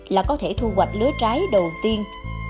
là có thể thu hoạch lứa trái đầu tiên